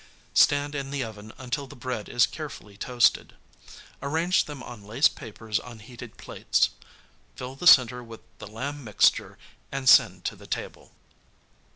Stand in the oven until the bread is carefully 74toasted. Arrange them on lace papers on heated plates, fill the center with the lamb mixture and send to the table.